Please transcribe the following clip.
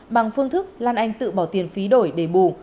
bằng phương thức lan anh tự bỏ tiền phí đổi để bù